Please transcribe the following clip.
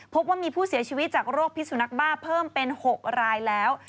พบว่ามีผู้เสียชีวิตจากโรคพิสุนักบ้าเพิ่มเป็น๖รายแล้ว